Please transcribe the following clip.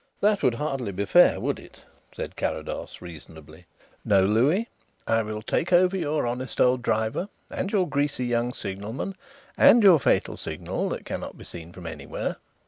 "That would hardly be fair, would it?" said Carrados reasonably. "No, Louis, I will take over your honest old driver and your greasy young signalman and your fatal signal that cannot be seen from anywhere."